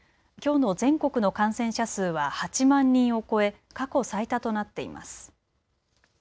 きょうの全国の感染者数は８万人を超え過去最多となっています。